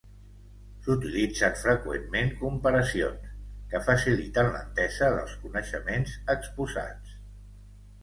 S'utilitzen freqüentment comparacions, que faciliten l'entesa dels coneixements exposats.